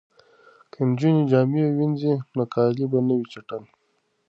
که نجونې جامې وینځي نو کالي به نه وي چټل.